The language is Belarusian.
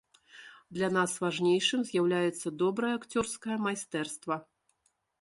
Для нас важнейшым з'яўляецца добрае акцёрскае майстэрства.